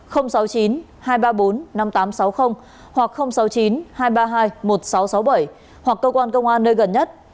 hoặc sáu mươi chín hai trăm ba mươi hai một nghìn sáu trăm sáu mươi bảy hoặc cơ quan công an nơi gần nhất